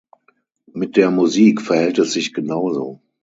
Mit der Musik verhält es sich genauso.